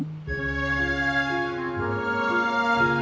bahkan keinginanku membuatku lebih sembrono dengan tubuhku